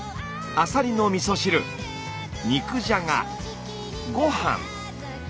あさりのみそ汁肉じゃがご飯。